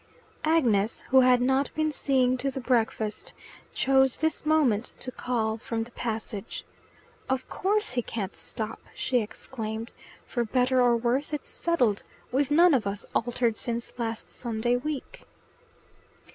Agnes, who had not been seeing to the breakfast, chose this moment to call from the passage. "Of course he can't stop," she exclaimed. "For better or worse, it's settled. We've none of us altered since last Sunday week."